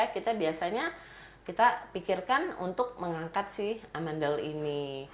kita biasanya kita pikirkan untuk mengangkat si amandel ini